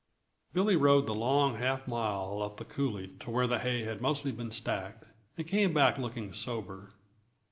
Billy rode the long half mile up the coulée to where the hay had mostly been stacked, and came back looking sober.